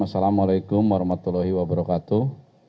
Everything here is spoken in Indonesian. assalamualaikum warahmatullahi wabarakatuh